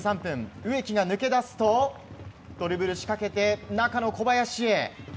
植木が抜け出すとドリブルで仕掛けて中の小林へ。